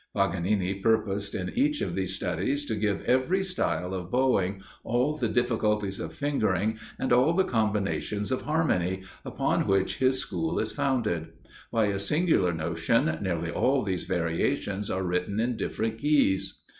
Paganini purposed in each of these studies to give every style of bowing, all the difficulties of fingering, and all the combinations of harmony, upon which his school is founded. By a singular notion, nearly all these variations are written in different keys.